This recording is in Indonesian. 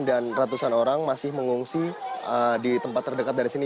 dan ratusan orang masih mengungsi di tempat terdekat dari sini